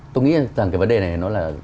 tôi nghĩ rằng cái vấn đề này nó là